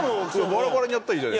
バラバラにやったらいい。